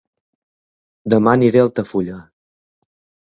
Dema aniré a Altafulla